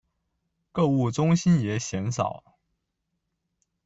购物中心也鲜少。